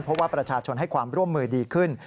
เพราะว่าประชาชนให้ความร่วมมือดีขึ้น